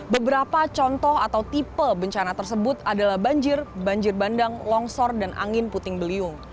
beberapa contoh atau tipe bencana tersebut adalah banjir banjir bandang longsor dan angin puting beliung